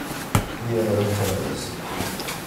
cuida de los chavales.